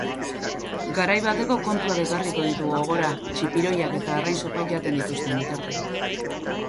Garai bateko kontuak ekarriko ditu gogora txipiroiak eta arrain-zopa jaten dituzten bitartean.